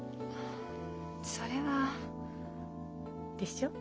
それは。でしょう？